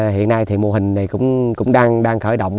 hiện nay mô hình này cũng đang khởi động